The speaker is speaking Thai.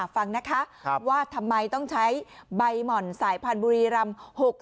ฟังนะคะว่าทำไมต้องใช้ใบหม่อนสายพันธุ์บุรีรำ